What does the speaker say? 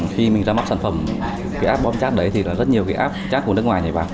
khi mình ra mắt sản phẩm cái app bom chát đấy thì là rất nhiều cái app chát của nước ngoài nhảy vào